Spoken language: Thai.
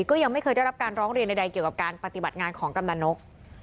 ก็ยังไม่เคยได้รับการร้องเรียนใดเกี่ยวกับการปฏิบัติงานของกำนันนก